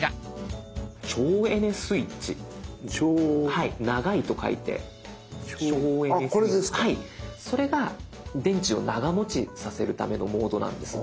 はいそれが電池を長持ちさせるためのモードなんです。